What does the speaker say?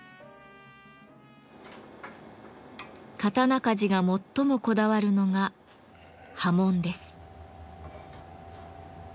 刀鍛冶が最もこだわるのが刃文です。